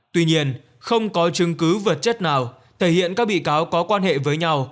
tuy nhiên không có chứng cứ vật chất nào thể hiện các bị cáo có quan hệ với nhau